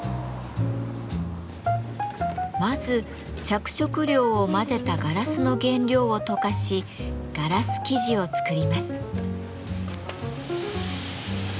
まず着色料を混ぜたガラスの原料を溶かしガラス素地を作ります。